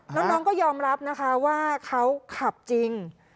แล้วน้องก็ยอมรับนะคะว่าเขาขับจริง